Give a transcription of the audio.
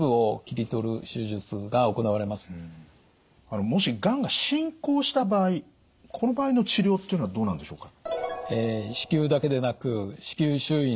あのもしがんが進行した場合この場合の治療っていうのはどうなんでしょうか？